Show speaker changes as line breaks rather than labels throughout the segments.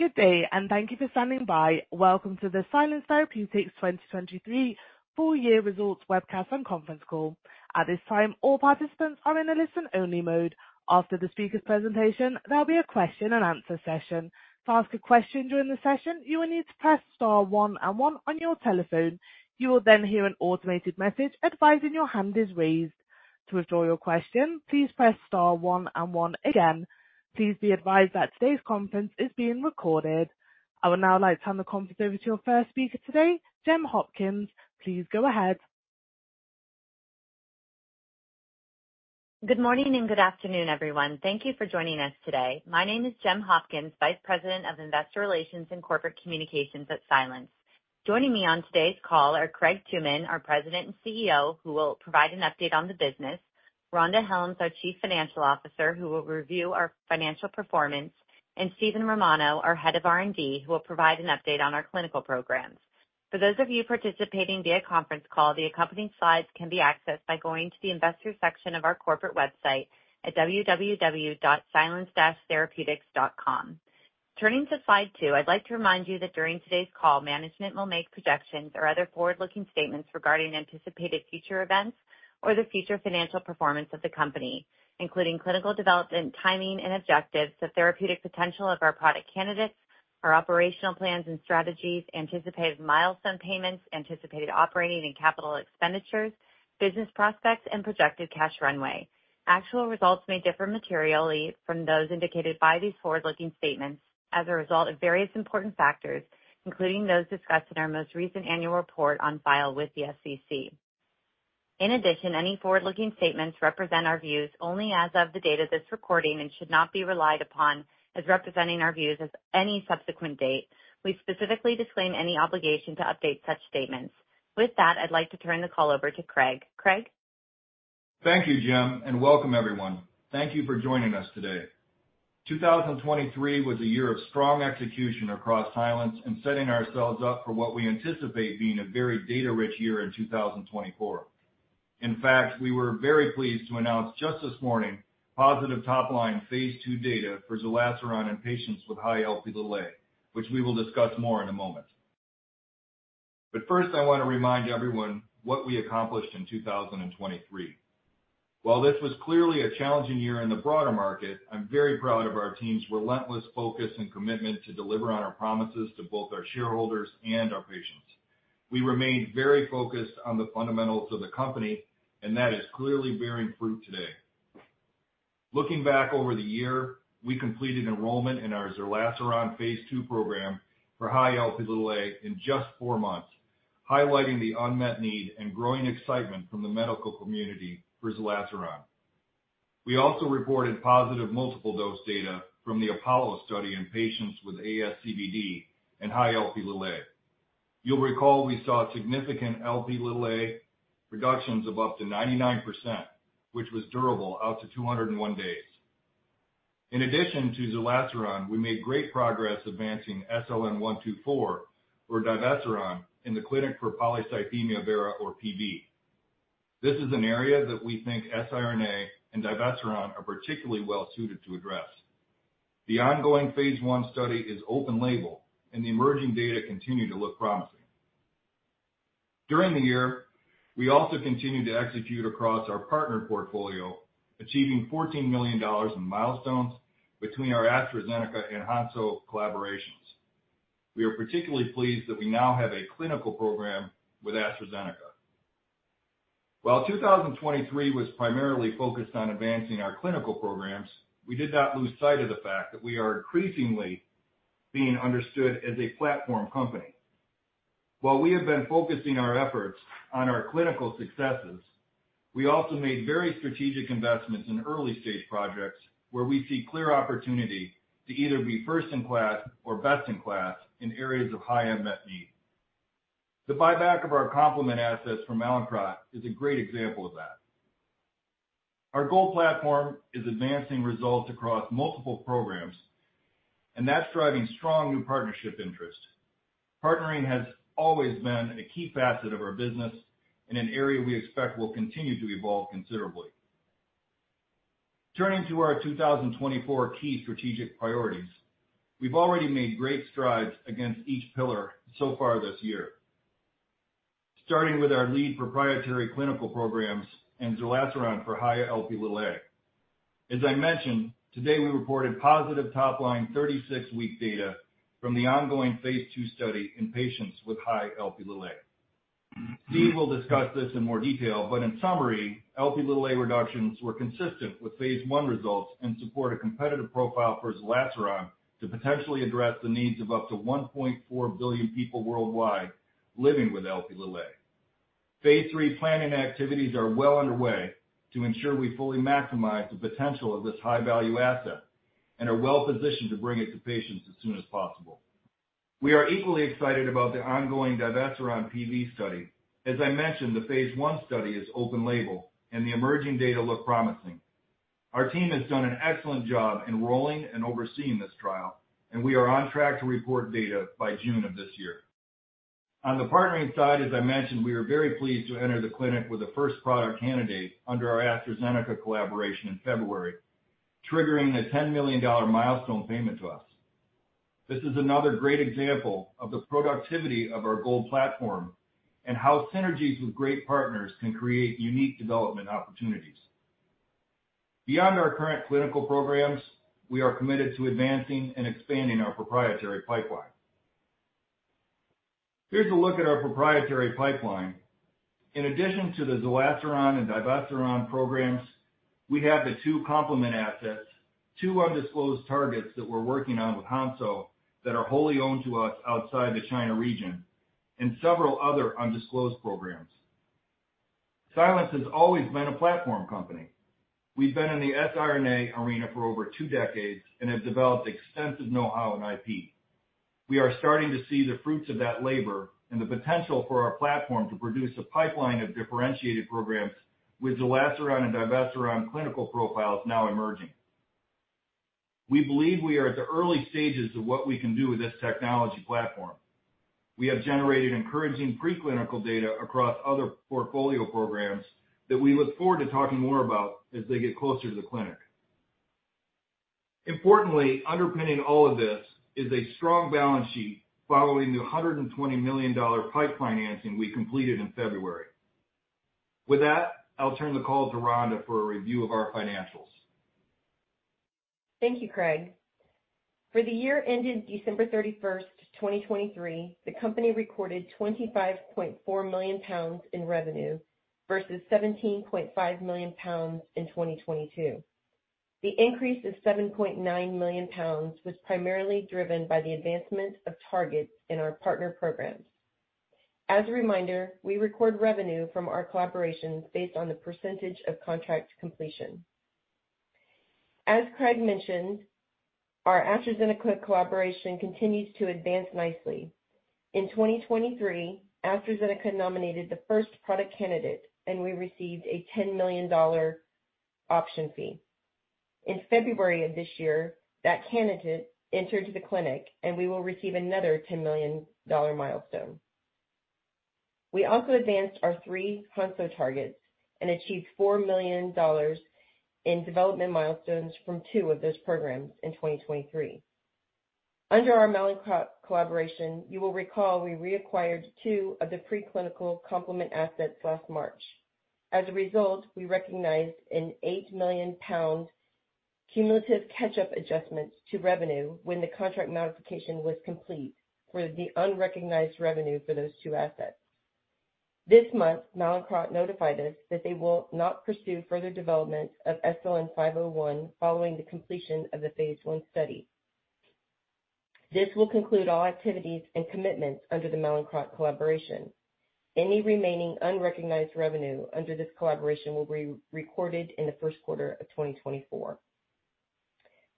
Good day, and thank you for standing by. Welcome to the Silence Therapeutics 2023 full-year results webcast and conference call. At this time, all participants are in a listen-only mode. After the speaker's presentation, there'll be a question-and-answer session. To ask a question during the session, you will need to press star one and one on your telephone. You will then hear an automated message advising your hand is raised. To withdraw your question, please press star one and one again. Please be advised that today's conference is being recorded. I would now like to hand the conference over to our first speaker today, Gem Hopkins. Please go ahead.
Good morning and good afternoon, everyone. Thank you for joining us today. My name is Gem Hopkins, Vice President of Investor Relations and Corporate Communications at Silence. Joining me on today's call are Craig Tooman, our President and CEO, who will provide an update on the business, Rhonda Hellums, our Chief Financial Officer, who will review our financial performance, and Steven Romano, our Head of R&D, who will provide an update on our clinical programs. For those of you participating via conference call, the accompanying slides can be accessed by going to the Investors section of our corporate website at www.silence-therapeutics.com. Turning to slide two, I'd like to remind you that during today's call, management will make projections or other forward-looking statements regarding anticipated future events or the future financial performance of the company, including clinical development, timing, and objectives of therapeutic potential of our product candidates, our operational plans and strategies, anticipated milestone payments, anticipated operating and capital expenditures, business prospects, and projected cash runway. Actual results may differ materially from those indicated by these forward-looking statements as a result of various important factors, including those discussed in our most recent annual report on file with the SEC. In addition, any forward-looking statements represent our views only as of the date of this recording and should not be relied upon as representing our views as any subsequent date. We specifically disclaim any obligation to update such statements. With that, I'd like to turn the call over to Craig. Craig?
Thank you, Gem, and welcome, everyone. Thank you for joining us today. 2023 was a year of strong execution across Silence and setting ourselves up for what we anticipate being a very data-rich year in 2024. In fact, we were very pleased to announce just this morning positive top-line phase II data for zerlasiran in patients with high Lp(a) levels, which we will discuss more in a moment. But first, I want to remind everyone what we accomplished in 2023. While this was clearly a challenging year in the broader market, I'm very proud of our team's relentless focus and commitment to deliver on our promises to both our shareholders and our patients. We remained very focused on the fundamentals of the company, and that is clearly bearing fruit today. Looking back over the year, we completed enrollment in our zerlasiran phase II program for high Lp(a) in just four months, highlighting the unmet need and growing excitement from the medical community for zerlasiran. We also reported positive multiple-dose data from the APOLLO study in patients with ASCVD and high Lp(a). You'll recall we saw significant Lp(a) reductions of up to 99%, which was durable out to 201 days. In addition to zerlasiran, we made great progress advancing SLN124, or divesiran, in the clinic for polycythemia vera, or PV. This is an area that we think siRNA and divesiran are particularly well-suited to address. The ongoing phase I study is open-label, and the emerging data continue to look promising. During the year, we also continued to execute across our partner portfolio, achieving $14 million in milestones between our AstraZeneca and Hansoh collaborations. We are particularly pleased that we now have a clinical program with AstraZeneca. While 2023 was primarily focused on advancing our clinical programs, we did not lose sight of the fact that we are increasingly being understood as a platform company. While we have been focusing our efforts on our clinical successes, we also made very strategic investments in early-stage projects where we see clear opportunity to either be first-in-class or best-in-class in areas of high unmet need. The buyback of our complement assets from Mallinckrodt is a great example of that. Our GOLD platform is advancing results across multiple programs, and that's driving strong new partnership interest. Partnering has always been a key facet of our business and an area we expect will continue to evolve considerably. Turning to our 2024 key strategic priorities, we've already made great strides against each pillar so far this year, starting with our lead proprietary clinical programs and zerlasiran for high Lp(a). As I mentioned, today we reported positive top-line 36-week data from the ongoing phase II study in patients with high Lp(a). Steve will discuss this in more detail, but in summary, Lp(a) reductions were consistent with phase I results and support a competitive profile for zerlasiran to potentially address the needs of up to 1.4 billion people worldwide living with Lp(a). Phase III planning activities are well underway to ensure we fully maximize the potential of this high-value asset and are well-positioned to bring it to patients as soon as possible. We are equally excited about the ongoing divesiran PV study. As I mentioned, the phase I study is open-label, and the emerging data look promising. Our team has done an excellent job enrolling and overseeing this trial, and we are on track to report data by June of this year. On the partnering side, as I mentioned, we were very pleased to enter the clinic with the first product candidate under our AstraZeneca collaboration in February, triggering the $10 million milestone payment to us. This is another great example of the productivity of our GOLD platform and how synergies with great partners can create unique development opportunities. Beyond our current clinical programs, we are committed to advancing and expanding our proprietary pipeline. Here's a look at our proprietary pipeline. In addition to the zerlasiran and divesiran programs, we have the two complement assets, two undisclosed targets that we're working on with Hansoh that are wholly owned to us outside the China region, and several other undisclosed programs. Silence has always been a platform company. We've been in the siRNA arena for over two decades and have developed extensive know-how and IP. We are starting to see the fruits of that labor and the potential for our platform to produce a pipeline of differentiated programs with zerlasiran and divesiran clinical profiles now emerging. We believe we are at the early stages of what we can do with this technology platform. We have generated encouraging preclinical data across other portfolio programs that we look forward to talking more about as they get closer to the clinic. Importantly, underpinning all of this is a strong balance sheet following the $120 million PIPE financing we completed in February. With that, I'll turn the call to Rhonda for a review of our financials.
Thank you, Craig. For the year ended December 31st, 2023, the company recorded 25.4 million pounds in revenue versus 17.5 million pounds in 2022. The increase of 7.9 million pounds was primarily driven by the advancement of targets in our partner programs. As a reminder, we record revenue from our collaborations based on the percentage of contract completion. As Craig mentioned, our AstraZeneca collaboration continues to advance nicely. In 2023, AstraZeneca nominated the first product candidate, and we received a $10 million option fee. In February of this year, that candidate entered the clinic, and we will receive another $10 million milestone. We also advanced our three Hansoh targets and achieved $4 million in development milestones from two of those programs in 2023. Under our Mallinckrodt collaboration, you will recall we reacquired two of the preclinical complement assets last March. As a result, we recognized a 8 million pound cumulative catch-up adjustment to revenue when the contract modification was complete for the unrecognized revenue for those two assets. This month, Mallinckrodt notified us that they will not pursue further development of SLN501 following the completion of the phase I study. This will conclude all activities and commitments under the Mallinckrodt collaboration. Any remaining unrecognized revenue under this collaboration will be recorded in the first quarter of 2024.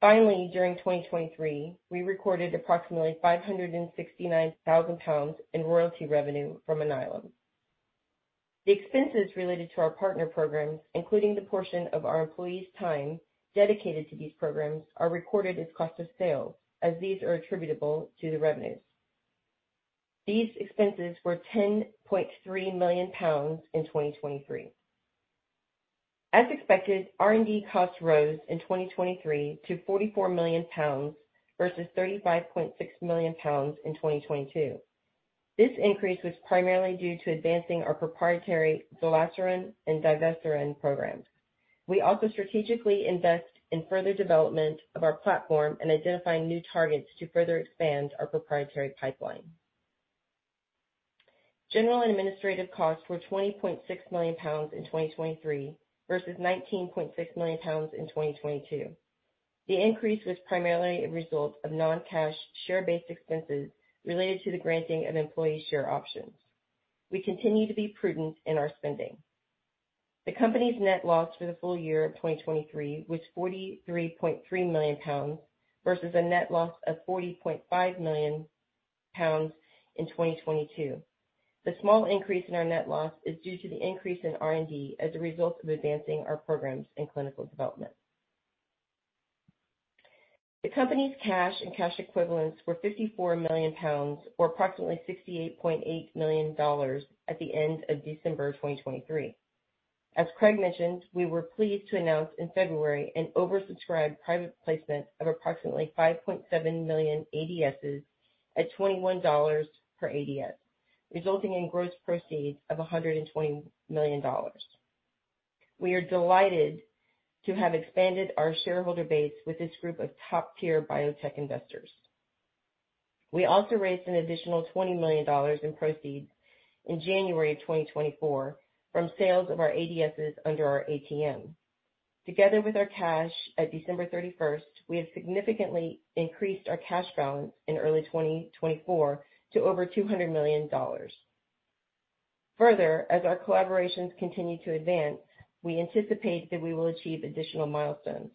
Finally, during 2023, we recorded approximately 569,000 pounds in royalty revenue from Alnylam. The expenses related to our partner programs, including the portion of our employees' time dedicated to these programs, are recorded as cost of sale as these are attributable to the revenues. These expenses were 10.3 million pounds in 2023. As expected, R&D costs rose in 2023 to 44 million pounds versus 35.6 million pounds in 2022. This increase was primarily due to advancing our proprietary zerlasiran and divesiran programs. We also strategically invest in further development of our platform and identify new targets to further expand our proprietary pipeline. General and administrative costs were 20.6 million pounds in 2023 versus 19.6 million pounds in 2022. The increase was primarily a result of non-cash share-based expenses related to the granting of employee share options. We continue to be prudent in our spending. The company's net loss for the full year of 2023 was 43.3 million pounds versus a net loss of 40.5 million pounds in 2022. The small increase in our net loss is due to the increase in R&D as a result of advancing our programs and clinical development. The company's cash and cash equivalents were 54 million pounds or approximately $68.8 million at the end of December 2023. As Craig mentioned, we were pleased to announce in February an oversubscribed private placement of approximately 5.7 million ADSs at $21 per ADS, resulting in gross proceeds of $120 million. We are delighted to have expanded our shareholder base with this group of top-tier biotech investors. We also raised an additional $20 million in proceeds in January of 2024 from sales of our ADSs under our ATM. Together with our cash at December 31st, we have significantly increased our cash balance in early 2024 to over $200 million. Further, as our collaborations continue to advance, we anticipate that we will achieve additional milestones.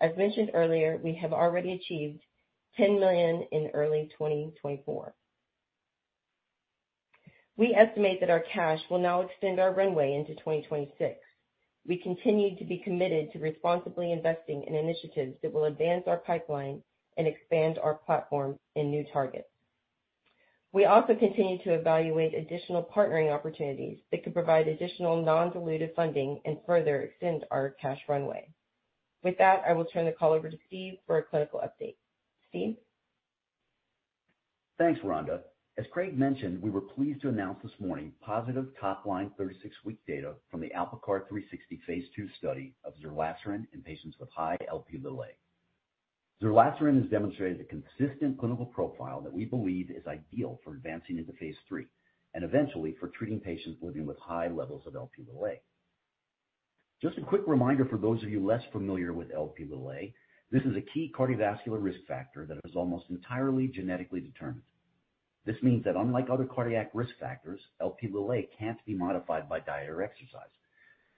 As mentioned earlier, we have already achieved $10 million in early 2024. We estimate that our cash will now extend our runway into 2026. We continue to be committed to responsibly investing in initiatives that will advance our pipeline and expand our platform in new targets. We also continue to evaluate additional partnering opportunities that could provide additional non-dilutive funding and further extend our cash runway. With that, I will turn the call over to Steve for a clinical update. Steve?
Thanks, Rhonda. As Craig mentioned, we were pleased to announce this morning positive top-line 36-week data from the ALPACAR-360 phase II study of zerlasiran in patients with high Lp(a). Zerlasiran has demonstrated a consistent clinical profile that we believe is ideal for advancing into phase III and eventually for treating patients living with high levels of Lp(a). Just a quick reminder for those of you less familiar with Lp(a), this is a key cardiovascular risk factor that is almost entirely genetically determined. This means that unlike other cardiac risk factors, Lp(a) can't be modified by diet or exercise.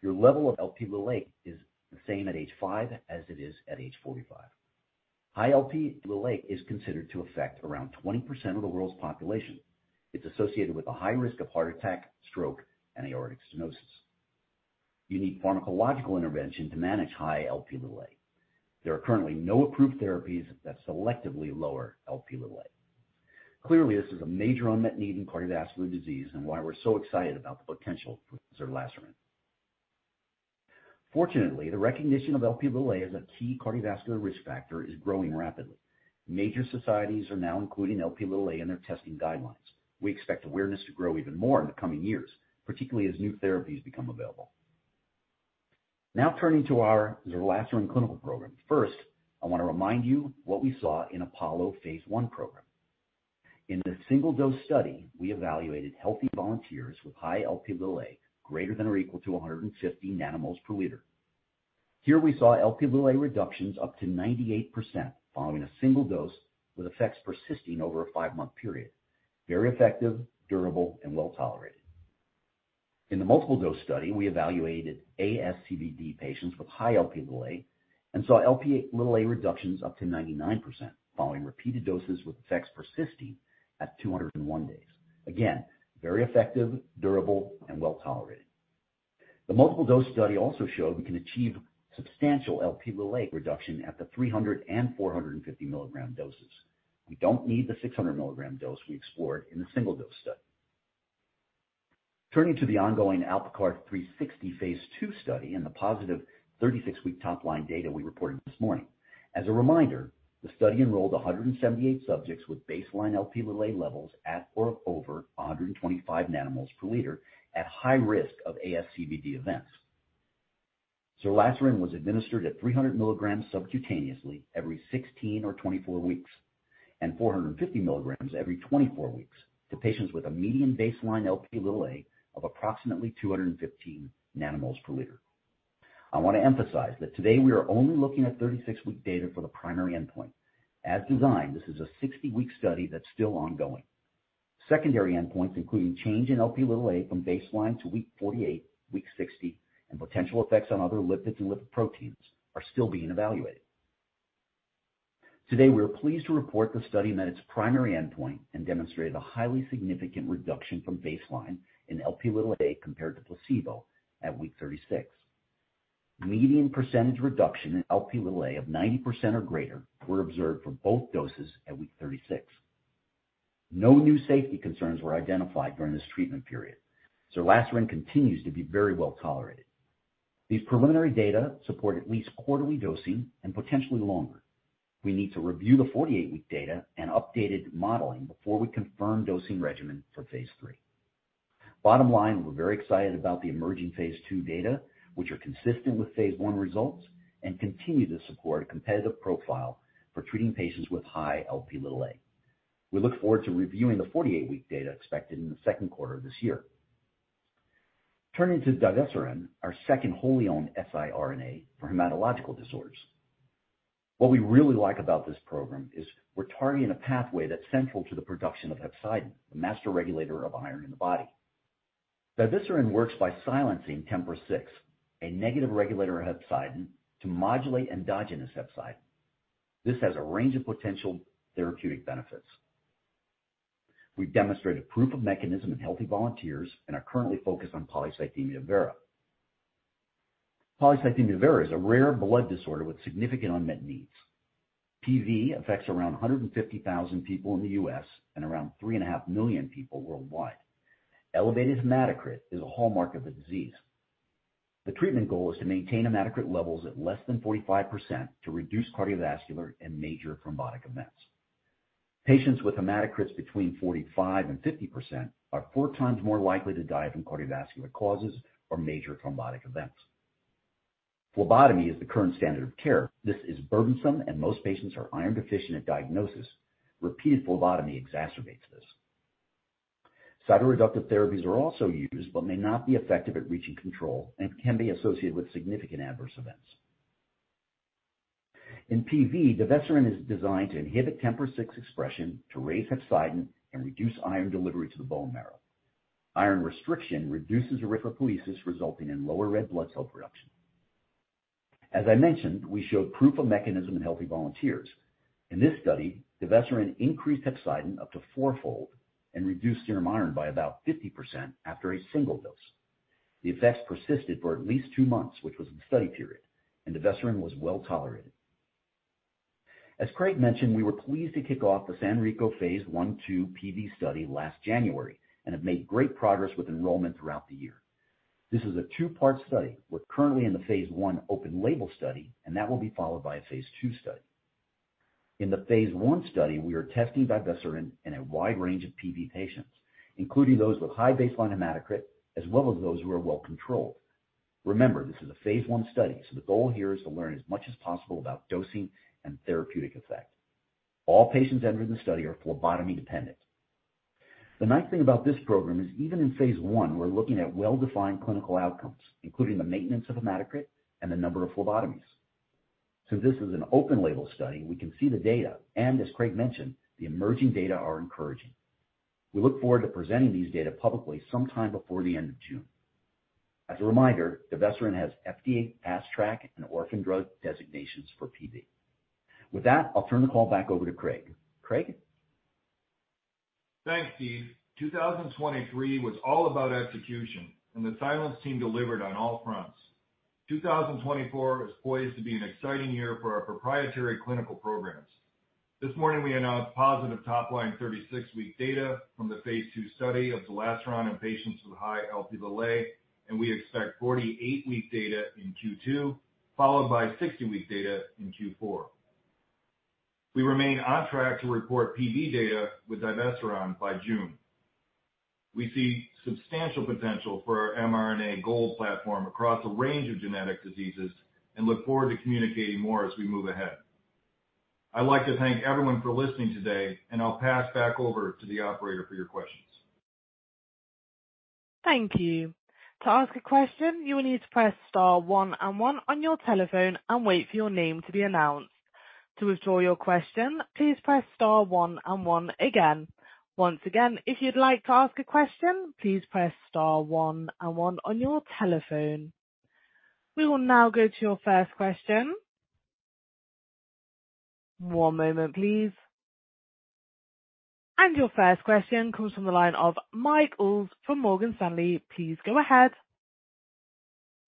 Your level of Lp(a) is the same at age five as it is at age 45. High Lp(a) is considered to affect around 20% of the world's population. It's associated with a high risk of heart attack, stroke, and aortic stenosis. You need pharmacological intervention to manage high Lp(a). There are currently no approved therapies that selectively lower Lp(a). Clearly, this is a major unmet need in cardiovascular disease and why we're so excited about the potential for zerlasiran. Fortunately, the recognition of Lp(a) as a key cardiovascular risk factor is growing rapidly. Major societies are now including Lp(a) in their testing guidelines. We expect awareness to grow even more in the coming years, particularly as new therapies become available. Now turning to our zerlasiran clinical program. First, I want to remind you what we saw in APOLLO phase I program. In the single-dose study, we evaluated healthy volunteers with high Lp(a) greater than or equal to 150 nmol/L. Here, we saw Lp(a) reductions up to 98% following a single dose with effects persisting over a 5-month period. Very effective, durable, and well-tolerated. In the multiple-dose study, we evaluated ASCVD patients with high Lp(a) and saw Lp(a) reductions up to 99% following repeated doses with effects persisting at 201 days. Again, very effective, durable, and well-tolerated. The multiple-dose study also showed we can achieve substantial Lp(a) reduction at the 300 mg and 450 mg doses. We don't need the 600 mg dose we explored in the single-dose study. Turning to the ongoing ALPACAR-360 phase II study and the positive 36-week top-line data we reported this morning. As a reminder, the study enrolled 178 subjects with baseline Lp(a) levels at or over 125 nmol/L at high risk of ASCVD events. Zerlasiran was administered at 300 mg subcutaneously every 16 or 24 weeks and 450 mg every 24 weeks to patients with a median baseline Lp(a) of approximately 215 nmol/L. I want to emphasize that today we are only looking at 36-week data for the primary endpoint. As designed, this is a 60-week study that's still ongoing. Secondary endpoints, including change in Lp(a) from baseline to week 48, week 60, and potential effects on other lipids and lipoproteins, are still being evaluated. Today, we're pleased to report the study met its primary endpoint and demonstrated a highly significant reduction from baseline in Lp(a) compared to placebo at week 36. Median percentage reduction in Lp(a) of 90% or greater were observed for both doses at week 36. No new safety concerns were identified during this treatment period. Zerlasiran continues to be very well-tolerated. These preliminary data support at least quarterly dosing and potentially longer. We need to review the 48-week data and updated modeling before we confirm dosing regimen for phase III. Bottom line, we're very excited about the emerging phase II data, which are consistent with phase I results, and continue to support a competitive profile for treating patients with high Lp(a). We look forward to reviewing the 48-week data expected in the second quarter of this year. Turning to divesiran, our second wholly owned siRNA for hematological disorders. What we really like about this program is we're targeting a pathway that's central to the production of hepcidin, the master regulator of iron in the body. Divesiran works by silencing TMPRSS6, a negative regulator of hepcidin, to modulate endogenous hepcidin. This has a range of potential therapeutic benefits. We've demonstrated proof of mechanism in healthy volunteers and are currently focused on polycythemia vera. Polycythemia vera is a rare blood disorder with significant unmet needs. PV affects around 150,000 people in the U.S. and around 3.5 million people worldwide. Elevated hematocrit is a hallmark of the disease. The treatment goal is to maintain hematocrit levels at less than 45% to reduce cardiovascular and major thrombotic events. Patients with hematocrits between 45%-50% are four times more likely to die from cardiovascular causes or major thrombotic events. Phlebotomy is the current standard of care. This is burdensome, and most patients are iron-deficient at diagnosis. Repeated phlebotomy exacerbates this. Cytoreductive therapies are also used but may not be effective at reaching control and can be associated with significant adverse events. In PV, divesiran is designed to inhibit TMPRSS6 expression to raise hepcidin and reduce iron delivery to the bone marrow. Iron restriction reduces erythropoiesis, resulting in lower red blood cell production. As I mentioned, we showed proof of mechanism in healthy volunteers. In this study, divesiran increased hepcidin up to fourfold and reduced serum iron by about 50% after a single dose. The effects persisted for at least two months, which was the study period, and divesiran was well-tolerated. As Craig mentioned, we were pleased to kick off the SANRECO phase I/II PV study last January and have made great progress with enrollment throughout the year. This is a two-part study. We're currently in the phase I open-label study, and that will be followed by a phase II study. In the phase I study, we are testing divesiran in a wide range of PV patients, including those with high baseline hematocrit as well as those who are well-controlled. Remember, this is a phase I study, so the goal here is to learn as much as possible about dosing and therapeutic effect. All patients entered in the study are phlebotomy dependent. The nice thing about this program is even in phase I, we're looking at well-defined clinical outcomes, including the maintenance of hematocrit and the number of phlebotomies. Since this is an open-label study, we can see the data, and as Craig mentioned, the emerging data are encouraging. We look forward to presenting these data publicly sometime before the end of June. As a reminder, divesiran has FDA fast track and orphan drug designations for PV. With that, I'll turn the call back over to Craig. Craig?
Thanks, Steve. 2023 was all about execution, and the Silence team delivered on all fronts. 2024 is poised to be an exciting year for our proprietary clinical programs. This morning, we announced positive top-line 36-week data from the phase II study of zerlasiran in patients with high Lp(a), and we expect 48-week data in Q2 followed by 60-week data in Q4. We remain on track to report PV data with divesiran by June. We see substantial potential for our mRNAi GOLD platform across a range of genetic diseases and look forward to communicating more as we move ahead. I'd like to thank everyone for listening today, and I'll pass back over to the operator for your questions.
Thank you. To ask a question, you will need to press star one and one on your telephone and wait for your name to be announced. To withdraw your question, please press star one and one again. Once again, if you'd like to ask a question, please press star one and one on your telephone. We will now go to your first question. One moment, please. Your first question comes from the line of Mike Ulz from Morgan Stanley. Please go ahead.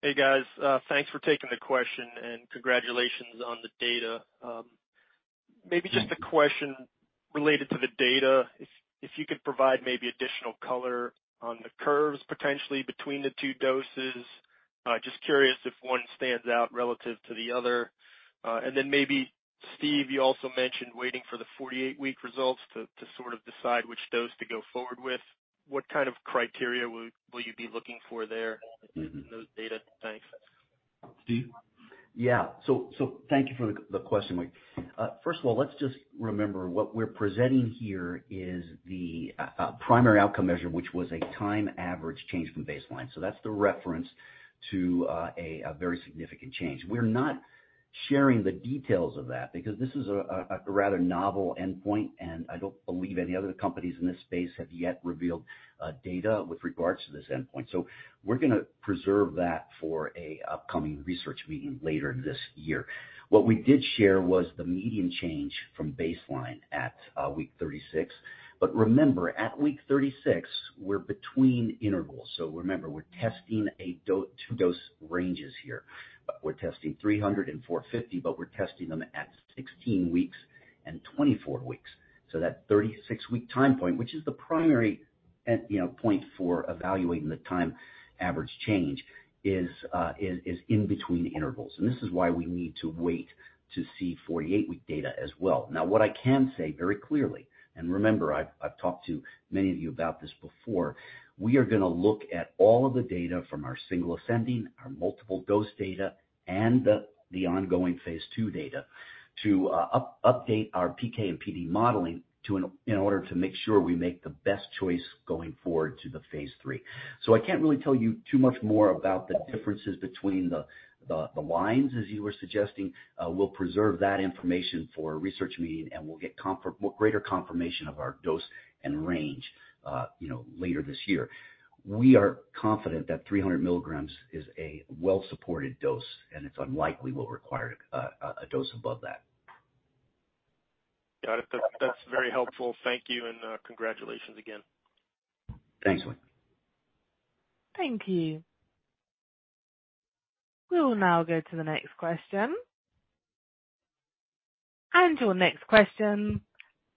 Hey, guys. Thanks for taking the question, and congratulations on the data. Maybe just a question related to the data. If you could provide maybe additional color on the curves, potentially, between the two doses. Just curious if one stands out relative to the other. And then maybe, Steve, you also mentioned waiting for the 48-week results to sort of decide which dose to go forward with. What kind of criteria will you be looking for there in those data? Thanks.
Steve?
Yeah. Thank you for the question, Mike. First of all, let's just remember what we're presenting here is the primary outcome measure, which was a time average change from baseline. That's the reference to a very significant change. We're not sharing the details of that because this is a rather novel endpoint, and I don't believe any other companies in this space have yet revealed data with regards to this endpoint. We're going to preserve that for an upcoming research meeting later this year. What we did share was the median change from baseline at week 36. But remember, at week 36, we're between intervals. Remember, we're testing two dose ranges here. We're testing 300 mg and 450 mg, but we're testing them at 16 weeks and 24 weeks. That 36-week time point, which is the primary point for evaluating the time average change, is in between intervals. This is why we need to wait to see 48-week data as well. Now, what I can say very clearly, and remember, I've talked to many of you about this before, we are going to look at all of the data from our single ascending, our multiple dose data, and the ongoing phase II data to update our PK and PD modeling in order to make sure we make the best choice going forward to the phase III. I can't really tell you too much more about the differences between the lines, as you were suggesting. We'll preserve that information for a research meeting, and we'll get greater confirmation of our dose and range later this year. We are confident that 300 mg is a well-supported dose, and it's unlikely we'll require a dose above that.
Got it. That's very helpful. Thank you and congratulations again.
Thanks, Mike.
Thank you. We will now go to the next question. Your next question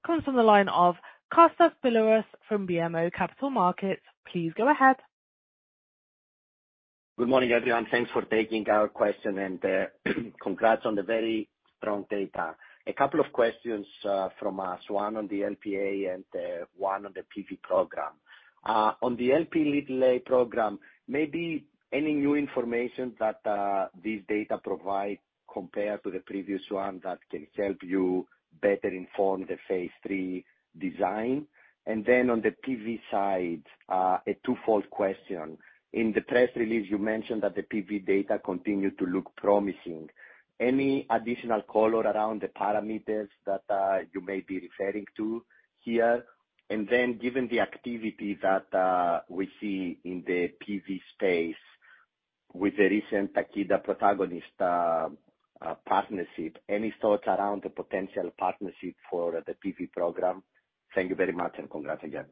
comes from the line of Kostas Biliouris from BMO Capital Markets. Please go ahead.
Good morning, everyone. Thanks for taking our question, and congrats on the very strong data. A couple of questions from us. One on the Lp(a) and one on the PV program. On the Lp(a) program, maybe any new information that these data provide compared to the previous one that can help you better inform the phase three design. And then on the PV side, a two-fold question. In the press release, you mentioned that the PV data continue to look promising. Any additional color around the parameters that you may be referring to here? And then given the activity that we see in the PV space with the recent Takeda Protagonist partnership, any thoughts around the potential partnership for the PV program? Thank you very much and congrats again.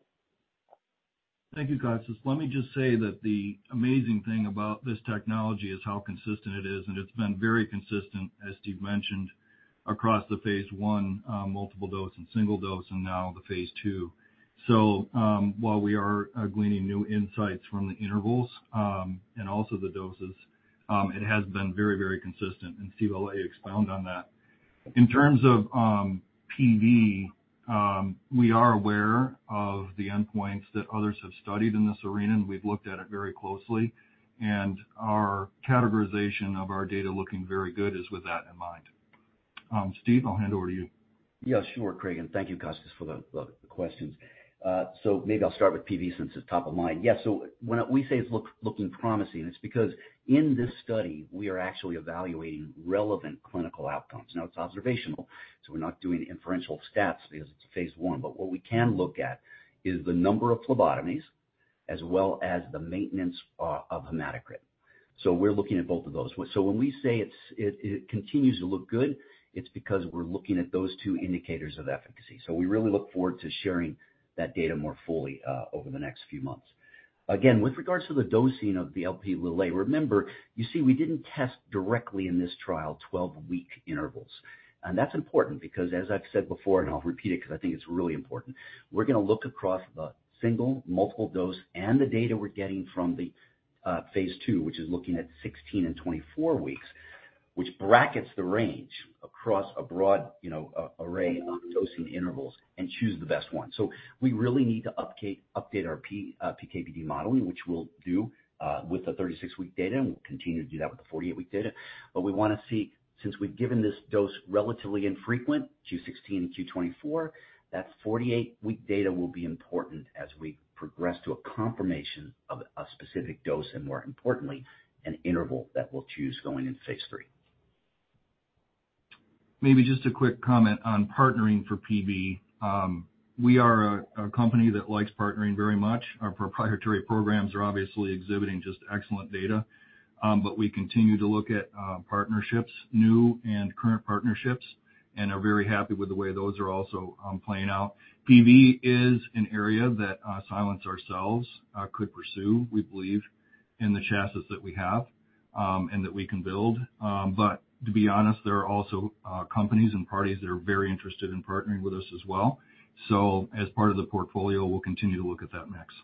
Thank you, Kostas. Let me just say that the amazing thing about this technology is how consistent it is, and it's been very consistent, as Steve mentioned, across the phase I, multiple dose and single dose, and now the phase II. So while we are gleaning new insights from the intervals and also the doses, it has been very, very consistent, and Steve already expounded on that. In terms of PV, we are aware of the endpoints that others have studied in this arena, and we've looked at it very closely. Our categorization of our data looking very good is with that in mind. Steve, I'll hand over to you.
Yeah, sure, Craig. And thank you, Kostas, for the questions. So maybe I'll start with PV since it's top of mind. Yeah. So when we say it's looking promising, it's because in this study, we are actually evaluating relevant clinical outcomes. Now, it's observational, so we're not doing inferential stats because it's phase one. But what we can look at is the number of phlebotomies as well as the maintenance of hematocrit. So we're looking at both of those. So when we say it continues to look good, it's because we're looking at those two indicators of efficacy. So we really look forward to sharing that data more fully over the next few months. Again, with regards to the dosing of the Lp(a), remember, you see, we didn't test directly in this trial 12-week intervals. And that's important because, as I've said before, and I'll repeat it because I think it's really important, we're going to look across the single, multiple dose, and the data we're getting from the phase II, which is looking at 16 and 24 weeks, which brackets the range across a broad array of dosing intervals and choose the best one. So we really need to update our PK/PD modeling, which we'll do with the 36-week data, and we'll continue to do that with the 48-week data. But we want to see, since we've given this dose relatively infrequent, Q16 and Q24, that 48-week data will be important as we progress to a confirmation of a specific dose and, more importantly, an interval that we'll choose going into phase III.
Maybe just a quick comment on partnering for PV. We are a company that likes partnering very much. Our proprietary programs are obviously exhibiting just excellent data, but we continue to look at partnerships, new and current partnerships, and are very happy with the way those are also playing out. PV is an area that Silence ourselves could pursue, we believe, in the chassis that we have and that we can build. But to be honest, there are also companies and parties that are very interested in partnering with us as well. So as part of the portfolio, we'll continue to look at that mix.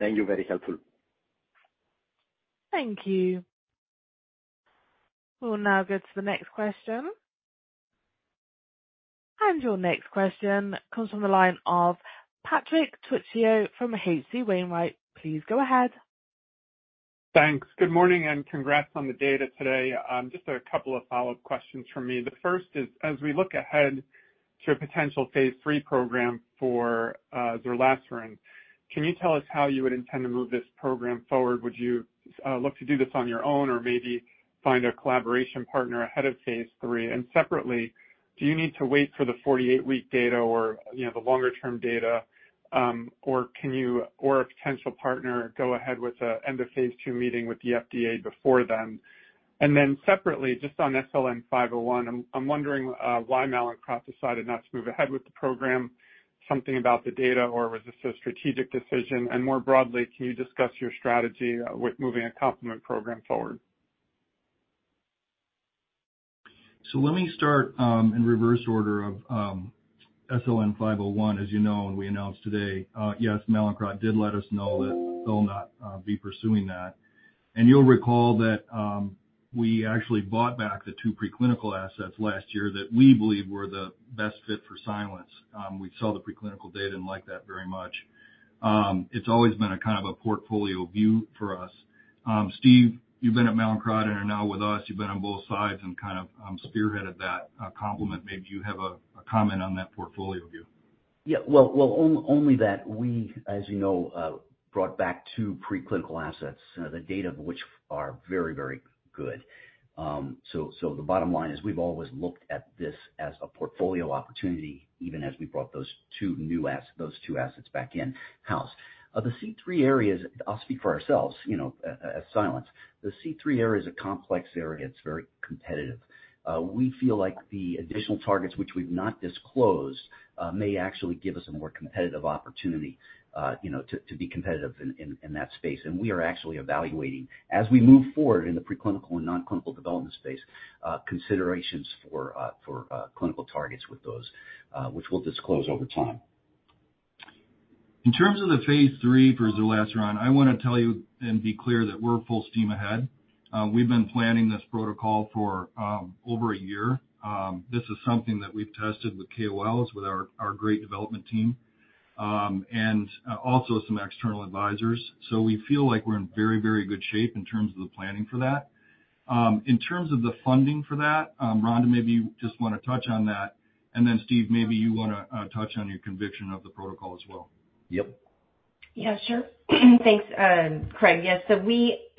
Thank you. Very helpful.
Thank you. We'll now go to the next question. Your next question comes from the line of Patrick Trucchio from H.C. Wainwright. Please go ahead.
Thanks. Good morning and congrats on the data today. Just a couple of follow-up questions from me. The first is, as we look ahead to a potential phase three program for zerlasiran, can you tell us how you would intend to move this program forward? Would you look to do this on your own or maybe find a collaboration partner ahead of phase three? And separately, do you need to wait for the 48-week data or the longer-term data, or can a potential partner go ahead with an end-of-phase II meeting with the FDA before then? And then separately, just on SLN501, I'm wondering why Mallinckrodt decided not to move ahead with the program. Something about the data, or was this a strategic decision? And more broadly, can you discuss your strategy with moving a complement program forward?
So let me start in reverse order of SLN501. As you know, and we announced today, yes, Mallinckrodt did let us know that they'll not be pursuing that. You'll recall that we actually bought back the two preclinical assets last year that we believe were the best fit for Silence. We saw the preclinical data and liked that very much. It's always been a kind of a portfolio view for us. Steve, you've been at Mallinckrodt and are now with us. You've been on both sides and kind of spearheaded that complement. Maybe you have a comment on that portfolio view.
Yeah. Well, only that. We, as you know, brought back two preclinical assets, the data of which are very, very good. So the bottom line is we've always looked at this as a portfolio opportunity, even as we brought those two new assets back in-house. The C3 areas, I'll speak for ourselves as Silence. The C3 area is a complex area. It's very competitive. We feel like the additional targets, which we've not disclosed, may actually give us a more competitive opportunity to be competitive in that space. And we are actually evaluating, as we move forward in the preclinical and non-clinical development space, considerations for clinical targets with those, which we'll disclose over time.
In terms of the phase III for zerlasiran, I want to tell you and be clear that we're full steam ahead. We've been planning this protocol for over a year. This is something that we've tested with KOLs, with our great development team, and also some external advisors. So we feel like we're in very, very good shape in terms of the planning for that. In terms of the funding for that, Rhonda, maybe you just want to touch on that. And then Steve, maybe you want to touch on your conviction of the protocol as well.
Yep.
Yeah, sure. Thanks, Craig. Yes. So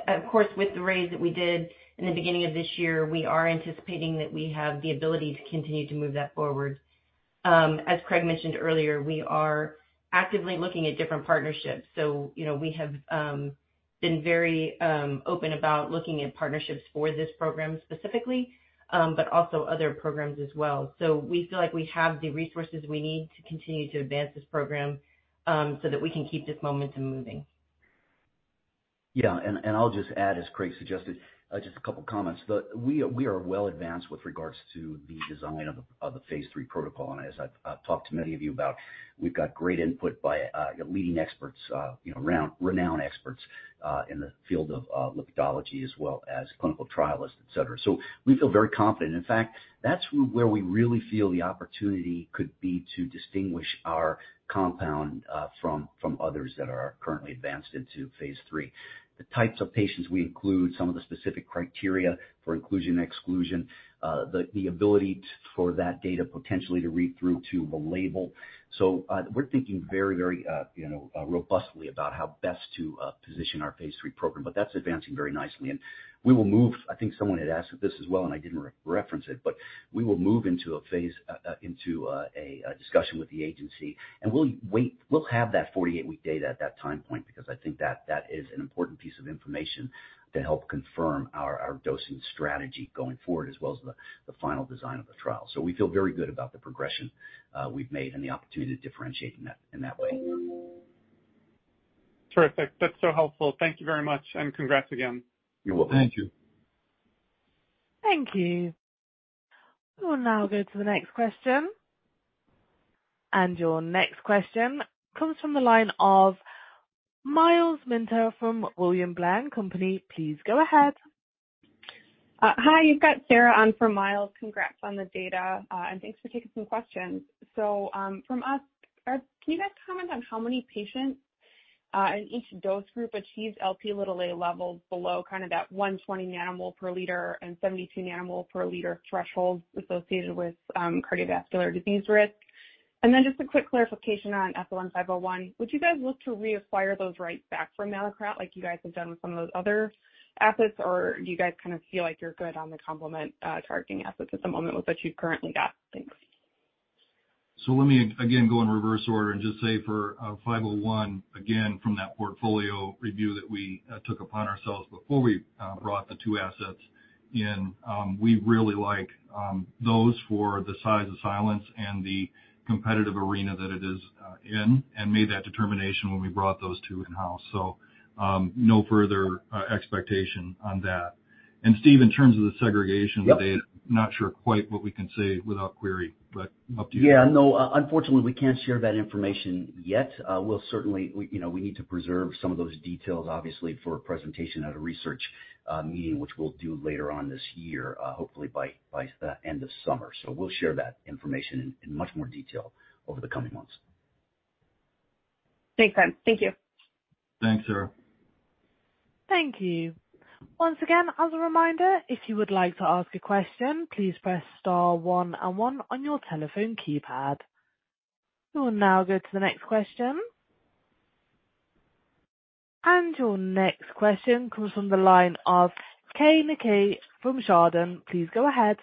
of course, with the raise that we did in the beginning of this year, we are anticipating that we have the ability to continue to move that forward. As Craig mentioned earlier, we are actively looking at different partnerships. So we have been very open about looking at partnerships for this program specifically, but also other programs as well. So we feel like we have the resources we need to continue to advance this program so that we can keep this momentum moving.
Yeah. And I'll just add, as Craig suggested, just a couple of comments. We are well advanced with regards to the design of the phase III protocol. And as I've talked to many of you about, we've got great input by leading experts, renowned experts in the field of lipidology as well as clinical trialists, etc. So we feel very confident. In fact, that's where we really feel the opportunity could be to distinguish our compound from others that are currently advanced into phase III. The types of patients we include, some of the specific criteria for inclusion and exclusion, the ability for that data potentially to read through to the label. So we're thinking very, very robustly about how best to position our phase III program. But that's advancing very nicely. And we will move. I think someone had asked this as well, and I didn't reference it. We will move into a phase into a discussion with the agency. We'll have that 48-week data at that time point because I think that is an important piece of information to help confirm our dosing strategy going forward as well as the final design of the trial. We feel very good about the progression we've made and the opportunity to differentiate in that way.
Terrific. That's so helpful. Thank you very much and congrats again.
You're welcome.
Thank you.
Thank you. We will now go to the next question. Your next question comes from the line of Miles Minter from William Blair. Please go ahead.
Hi. You've got Sarah on from Miles. Congrats on the data, and thanks for taking some questions. So from us, can you guys comment on how many patients in each dose group achieved Lp(a) levels below kind of that 120 nmol/L and 72 nmol/L thresholds associated with cardiovascular disease risk? And then just a quick clarification on SLN501. Would you guys look to reacquire those rights back from Mallinckrodt like you guys have done with some of those other assets, or do you guys kind of feel like you're good on the complement targeting assets at the moment with what you've currently got? Thanks.
So let me again go in reverse order and just say for 501, again, from that portfolio review that we took upon ourselves before we brought the two assets in, we really like those for the size of Silence and the competitive arena that it is in and made that determination when we brought those two in-house. So no further expectation on that. And Steve, in terms of the segregation of data, not sure quite what we can say without query, but up to you.
Yeah. No, unfortunately, we can't share that information yet. We'll certainly need to preserve some of those details, obviously, for a presentation at a research meeting, which we'll do later on this year, hopefully by the end of summer. So we'll share that information in much more detail over the coming months.
Makes sense. Thank you.
Thanks, Sarah.
Thank you. Once again, as a reminder, if you would like to ask a question, please press star 1 and 1 on your telephone keypad. We will now go to the next question. Your next question comes from the line of Keay Nakae from Chardan. Please go ahead.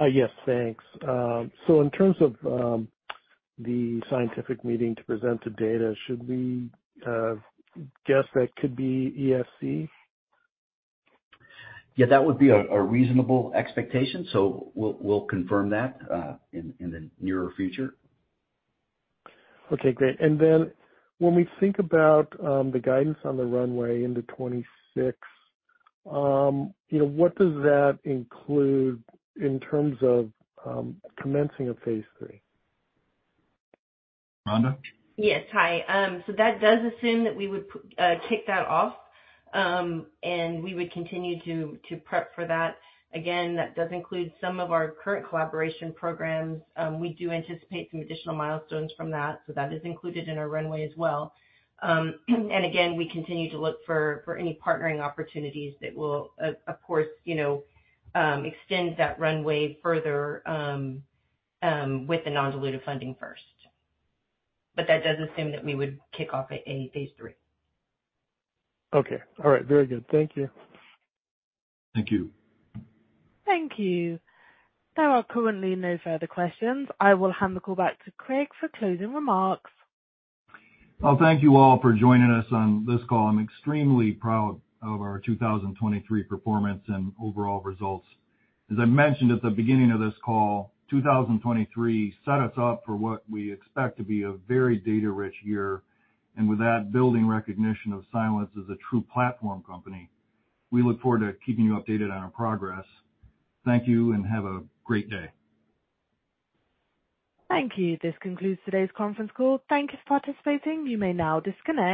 Yes. Thanks. So in terms of the scientific meeting to present the data, should we guess that could be ESC?
Yeah. That would be a reasonable expectation. So we'll confirm that in the nearer future.
Okay. Great. And then when we think about the guidance on the runway into 2026, what does that include in terms of commencing a phase three?
Rhonda?
Yes. Hi. So that does assume that we would kick that off, and we would continue to prep for that. Again, that does include some of our current collaboration programs. We do anticipate some additional milestones from that, so that is included in our runway as well. And again, we continue to look for any partnering opportunities that will, of course, extend that runway further with the non-dilutive funding first. But that does assume that we would kick off a phase III.
Okay. All right. Very good. Thank you.
Thank you.
Thank you. There are currently no further questions. I will hand the call back to Craig for closing remarks.
Well, thank you all for joining us on this call. I'm extremely proud of our 2023 performance and overall results. As I mentioned at the beginning of this call, 2023 set us up for what we expect to be a very data-rich year. With that, building recognition of Silence as a true platform company, we look forward to keeping you updated on our progress. Thank you and have a great day.
Thank you. This concludes today's conference call. Thank you for participating. You may now disconnect.